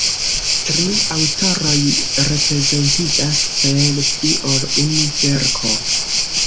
Tri aŭtoroj reprezentiĝas per pli ol unu verko.